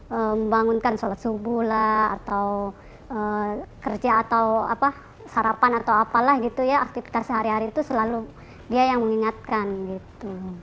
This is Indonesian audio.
membangunkan sholat subuh lah atau kerja atau apa sarapan atau apalah gitu ya aktivitas sehari hari itu selalu dia yang mengingatkan gitu